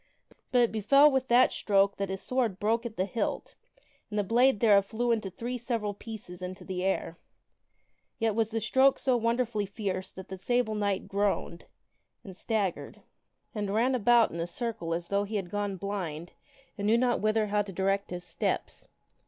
But it befell with that stroke that his sword broke at the hilt and the blade thereof flew into three several pieces into the air. Yet was the stroke so wonderfully fierce that the Sable Knight groaned, and staggered, and ran about in a circle as though he had gone blind and knew not whither to direct his steps.